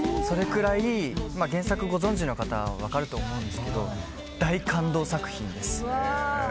原作ご存じの方は分かると思うんですけど大感動作品です。